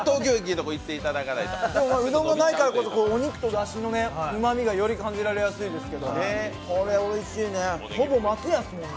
うどんがないからこそお肉とだしのうまみがより感じられやすいですけど、これ、おいしいですね。